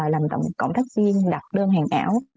làm tổng cộng tác viên đặt đơn hàng ảo